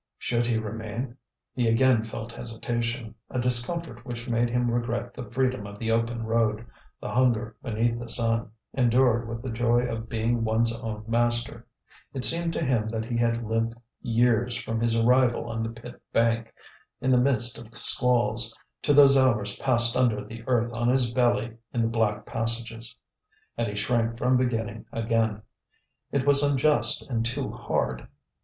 Should he remain? He again felt hesitation, a discomfort which made him regret the freedom of the open road, the hunger beneath the sun, endured with the joy of being one's own master. It seemed to him that he had lived years from his arrival on the pit bank, in the midst of squalls, to those hours passed under the earth on his belly in the black passages. And he shrank from beginning again; it was unjust and too hard.